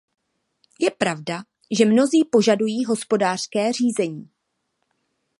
Je pravda, že mnozí požadují hospodářské řízení.